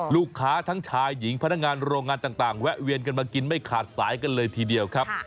ลูกค้าทั้งชายหญิงพนักงานโรงงานต่างแวะเวียนกันมากินไม่ขาดสายกันเลยทีเดียวครับ